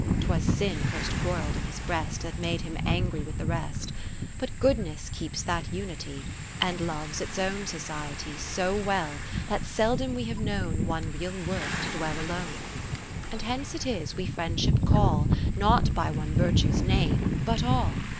'Twas Sin first quarrell'd in his breast, Then made him angry with the rest. VI But goodness keeps that unity, 21 And loves its own society So well, that seldom we have known One real worth to dwell alone. VII And hence it is we Friendship call Not by one virtue's name, but all.